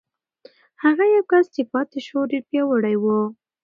هغه یو کس چې پاتې شو، ډېر پیاوړی و.